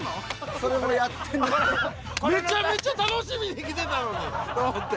めちゃめちゃ楽しみに来てたのにと思って。